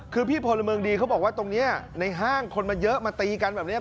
คือพี่พลเมืองดีเขาบอกว่าตรงนี้ในห้างคนมาเยอะมาตีกันแบบนี้